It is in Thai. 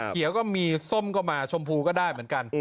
เขียวก็มีส้มก็มาชมพูก็ได้เหมือนกัน